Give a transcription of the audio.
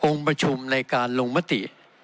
องค์ประชุมรายการลงมติ